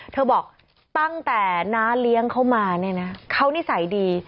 เธอบอกตั้งแต่น้าเลี้ยงเขามาเนี่ยนะเขานิสัยดี